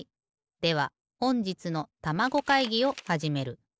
ではほんじつのたまご会議をはじめる。